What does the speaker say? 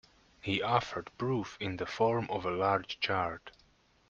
He offered proof in the form of a large chart.